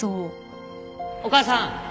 お母さん。